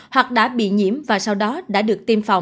hoặc đã bị nhiễm và bị chống lại các biến thể trước